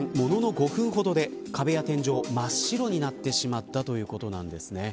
５分ほどで、壁や天井が真っ白になってしまったということなんです。